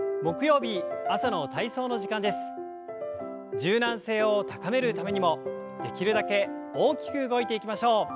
柔軟性を高めるためにもできるだけ大きく動いていきましょう。